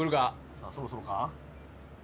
・さあそろそろか？